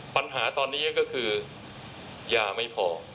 ปัญหาตอนนี้ก็คือยาไม่พอ